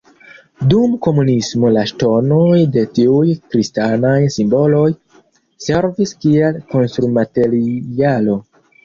Dum komunismo la ŝtonoj de tiuj kristanaj simboloj servis kiel konstrumaterialo.